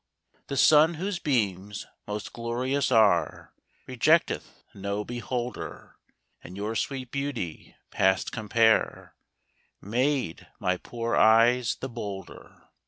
The sun whose beams most glorious are, Rejecteth no beholder, And your sweet beauty past compare, Made my poor eyes the bolder.